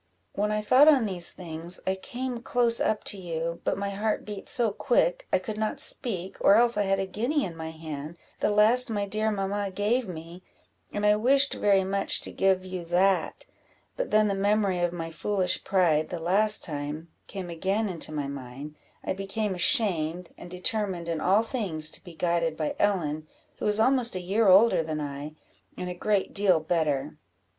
"When I thought on these things, I came close up to you; but my heart beat so quick, I could not speak, or else I had a guinea in my hand, the last my dear mamma gave me, and I wished very much to give you that; but then the memory of my foolish pride, the last time, came again into my mind I became ashamed, and determined in all things to be guided by Ellen, who is almost a year older than I, and a great deal better."